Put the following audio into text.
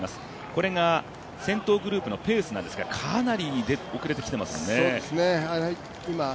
これが先頭グループのペースなんですがかなり遅れてきていますね。